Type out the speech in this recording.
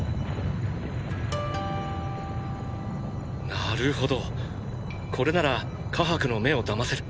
なるほどこれならカハクの目を騙せる。